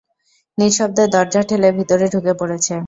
নিঃশব্দে দরজা ঠেলে ভেতরে ঢুকে পড়েছে।